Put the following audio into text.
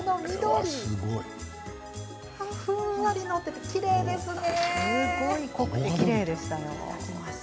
ふんわり載っててきれいですね。